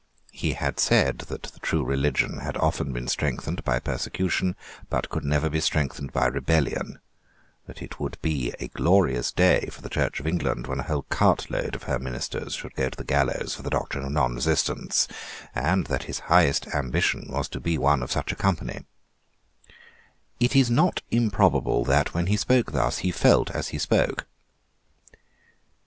He had said that the true religion had often been strengthened by persecution, but could never be strengthened by rebellion; that it would be a glorious day for the Church of England when a whole cartload of her ministers should go to the gallows for the doctrine of nonresistance; and that his highest ambition was to be one of such a company, It is not improbable that, when he spoke thus, he felt as he spoke.